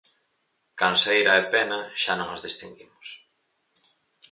Canseira e pena, xa non as distinguimos.